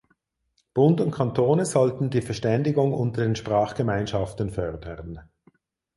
Bund und Kantone sollten die Verständigung unter den Sprachgemeinschaften fördern.